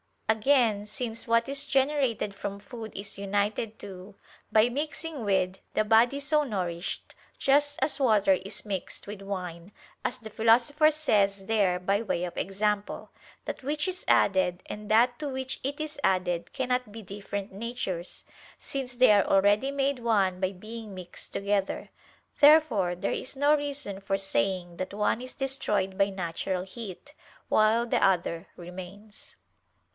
Again, since what is generated from food is united to, by mixing with, the body so nourished, just as water is mixed with wine, as the Philosopher says there by way of example: that which is added, and that to which it is added, cannot be different natures, since they are already made one by being mixed together. Therefore there is no reason for saying that one is destroyed by natural heat, while the other remains.